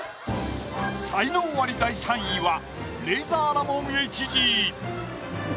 才能アリ第３位はレイザーラモン・ＨＧ。